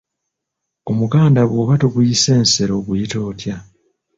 Omuganda bw'oba toguyise nsero oguyita otya?